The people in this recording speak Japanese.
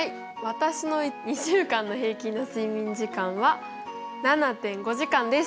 私の２週間の平均の睡眠時間は７．５時間です。